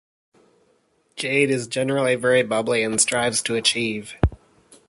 Jade is genrally very bubbly and strives to achieve.